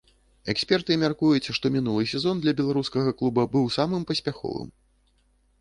Эксперты мяркуюць, што мінулы сезон для беларускага клуба быў самым паспяховым.